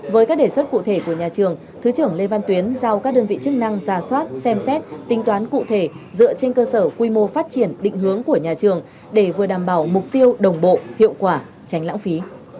với các đề xuất cụ thể của nhà trường thứ trưởng lê văn tuyến giao các đơn vị chức năng giả soát xem xét tính toán cụ thể dựa trên cơ sở quy mô phát triển định hướng của nhà trường để vừa đảm bảo mục tiêu đồng bộ hiệu quả tránh lãng phí